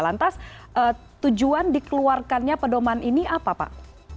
lantas tujuan dikeluarkannya pedoman ini apa pak